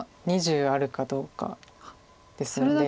あ２０あるかどうかですので。